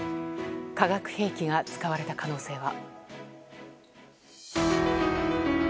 化学兵器が使われた可能性は？